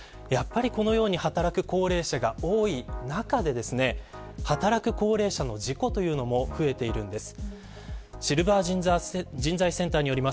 このように働く高齢者が多い中で働く高齢者の事故というのも増えているんです。